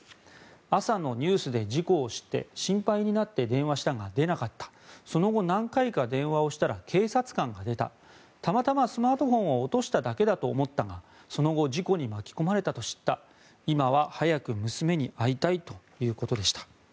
朝のニュースで事故を知って心配になって電話したが出なかったその後、何回か電話をしたら警察官が出たたまたまスマートフォンを落としただけだと思ったがその後事故に巻き込まれたと知った今は早く娘に会いたいということでした。